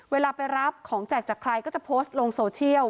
เวลาไปรับของแจกจากใครก็จะโพสต์ลงโซเชียล